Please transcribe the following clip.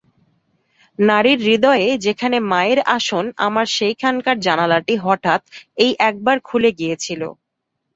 নারীর হৃদয়ে যেখানে মায়ের আসন আমার সেইখানকার জানলাটি হঠাৎ এই একবার খুলে গিয়েছিল।